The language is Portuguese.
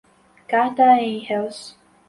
Carta a Engels